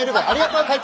ありがとう！